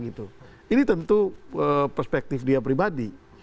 ini tentu perspektif dia pribadi